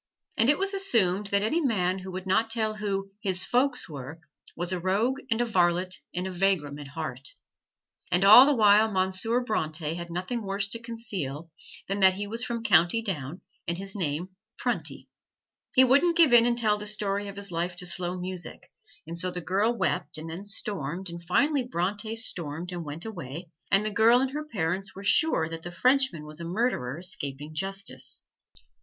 And it was assumed that any man who would not tell who "his folks" were, was a rogue and a varlet and a vagrom at heart. And all the while Monsieur Bronte had nothing worse to conceal than that he was from County Down and his name Prunty. He wouldn't give in and tell the story of his life to slow music, and so the girl wept and then stormed, and finally Bronte stormed and went away, and the girl and her parents were sure that the Frenchman was a murderer escaping justice.